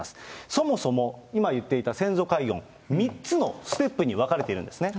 そもそも、今言っていた先祖解怨、３つのステップに分かれているんですね。